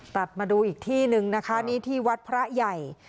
กลับมาดูอีกที่หนึ่งนะคะนี่ที่วัดพระใหญ่